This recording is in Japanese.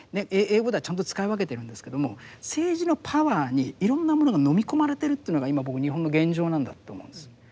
英語ではちゃんと使い分けてるんですけども政治のパワーにいろんなものがのみ込まれてるというのが今僕日本の現状なんだって思うんです。